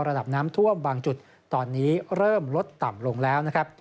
ระดับน้ำท่วมบางจุดตอนนี้เริ่มลดต่ำลงแล้วนะครับ